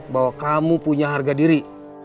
bahwa kamu punya harga diri